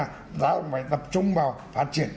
chúng ta cũng phải tập trung vào phát triển